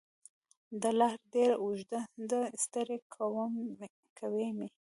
دا لار ډېره اوږده ده ستړی کوی مې